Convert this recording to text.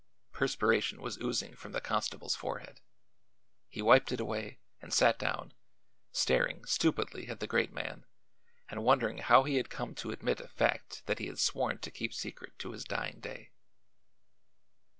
Perspiration was oozing from the constable's forehead. He wiped it away and sat down, staring stupidly at the great man and wondering how he had come to admit a fact that he had sworn to keep secret to his dying day.